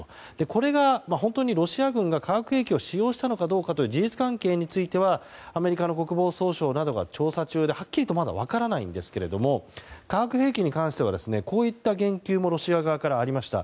これが本当にロシア軍が化学兵器を使用したのかどうかという事実関係についてはアメリカの国防総省などが調査中ではっきりとまだ分からないんですが化学兵器に関してはこういった言及もロシア側からありました。